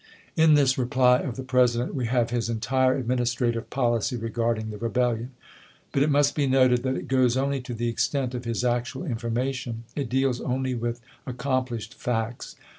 In this reply of the President we have his entire administrative policy regarding the rebellion ; but it must be noted that it goes only to the extent of his actual information — it deals only with accom plished facts.